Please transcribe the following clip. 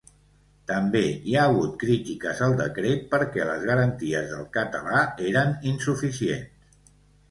També hi ha hagut crítiques al decret perquè les garanties del català eren insuficients.